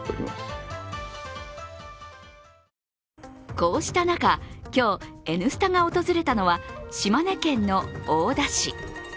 こうした中、今日、「Ｎスタ」が訪れたのは島根県の大田市。